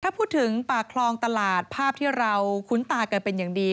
ถ้าพูดถึงปากคลองตลาดภาพที่เราคุ้นตากันเป็นอย่างดี